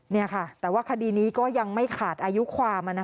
นี่ค่ะแต่ว่าคดีนี้ก็ยังไม่ขาดอายุความ